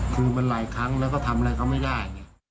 คือมันหลายครั้งแล้วก็ทำอะไรเขาไม่ได้